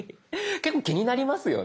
結構気になりますよね。